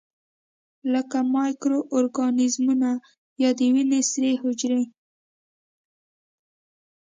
لکه مایکرو ارګانیزمونه یا د وینې سرې حجرې.